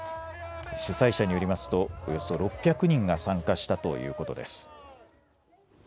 主催者によりますと、およそ６００人が参加したということです。